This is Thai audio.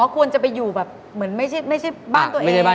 อ๋อควรจะไปอยู่แบบไม่ใช่บ้านตัวเอง